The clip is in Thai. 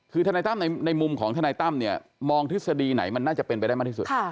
คือทนายตั้มในมุมของทนายตั้มเนี่ยมองทฤษฎีไหนมันน่าจะเป็นไปได้มากที่สุด